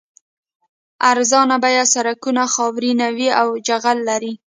ارزان بیه سړکونه خاورین وي او جغل لري